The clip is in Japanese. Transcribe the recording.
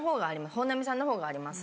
本並さんのほうがあります。